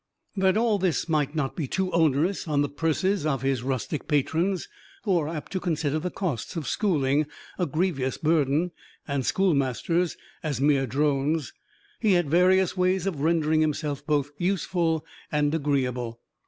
That all this might not be too onerous on the purses of his rustic patrons, who are apt to consider the costs of schooling a grievous burden and schoolmasters as mere drones, he had various ways of rendering himself both useful and agreeable.